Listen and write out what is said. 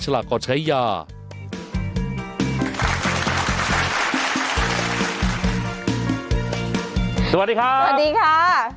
สวัสดีคุณชิสาครับ